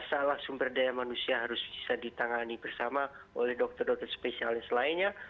masalah sumber daya manusia harus bisa ditangani bersama oleh dokter dokter spesialis lainnya